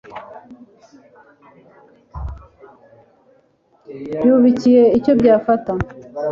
byubikiye icyo byafata